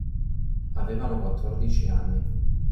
Avevano quattordici anni.